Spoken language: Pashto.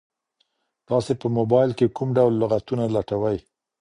تاسي په موبایل کي کوم ډول لغتونه لټوئ؟